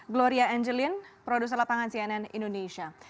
gloria angelin produser lapangan cnn indonesia